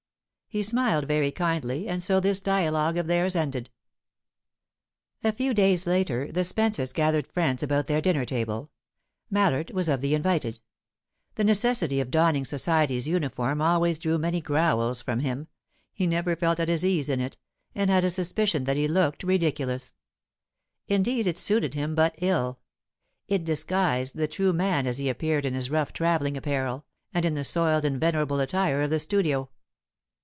He smiled very kindly, and so this dialogue of theirs ended. A few days later, the Spences gathered friends about their dinner table. Mallard was of the invited. The necessity of donning society's uniform always drew many growls from him; he never felt at his ease in it, and had a suspicion that he looked ridiculous. Indeed it suited him but ill; it disguised the true man as he appeared in his rough travelling apparel, and in the soiled and venerable attire of the studio.